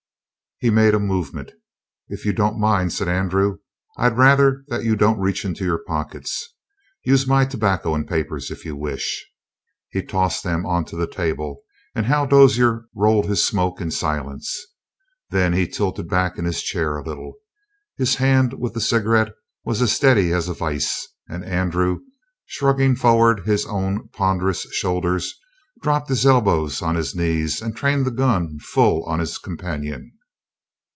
He made a movement. "If you don't mind," said Andrew, "I'd rather that you don't reach into your pockets. Use my tobacco and papers, if you wish." He tossed them onto the table, and Hal Dozier rolled his smoke in silence. Then he tilted back in his chair a little. His hand with the cigarette was as steady as a vise, and Andrew, shrugging forward his own ponderous shoulders, dropped his elbows on his knees and trained the gun full on his companion.